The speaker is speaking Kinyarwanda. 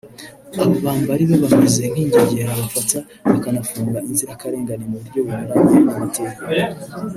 abo bambari be mameze nk’ingegera bafata bakanafunga inzirakarengane mu buryo bunyuranye n’amategeko